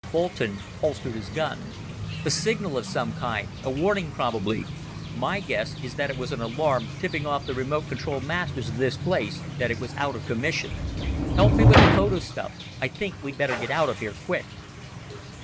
Boulton holstered his gun. "A signal of some kind a warning probably. My guess is that it was an alarm tipping off the remote control masters of this place that it was out of commission. Help me with the photo stuff; I think we'd better get out of here quick!"